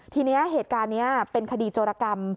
ทีนี้เหตุการณ์นี้เป็นคดีโจรกรรม